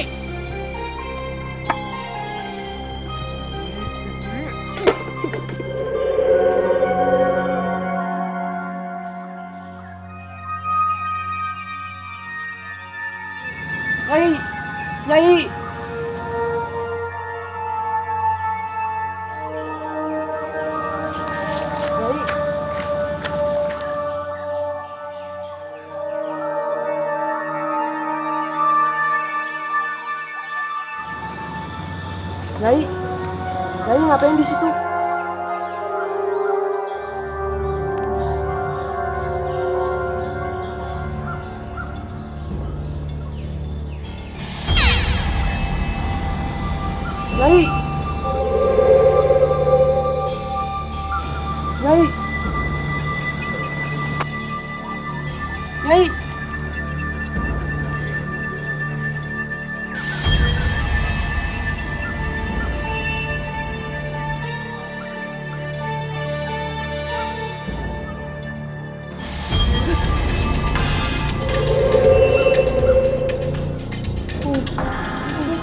kami akan bertemu dimana sekedarrelaksin steak